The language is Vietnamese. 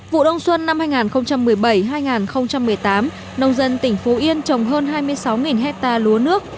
vụ đông xuân năm hai nghìn một mươi bảy hai nghìn một mươi tám nông dân tỉnh phú yên trồng hơn hai mươi sáu hectare lúa nước